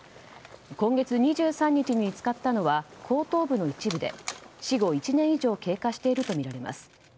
今月２３日に見つかったのは後頭部の一部で死後１年以上経過しているとみられます。